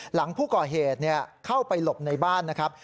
หลังผู้ก่อเหตุเข้าไปหลบในบ้านนะครับ